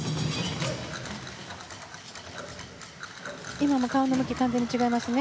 今も顔の向き完全に違いますね。